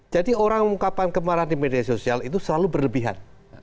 jadi orang mengungkapkan kemarahan di media sosial itu selalu berlebihan